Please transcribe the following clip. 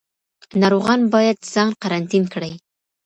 ناروغان باید ځان قرنطین کړي.